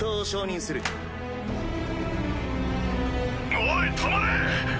おい止まれ！